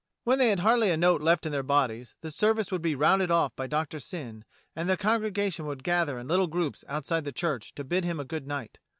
When they had hardly a note left in their bodies, the service would be rounded off by Doctor Syn, and the congregation would gather in little groups outside the church to bid him a good night.